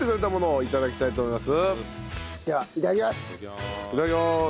いただきます。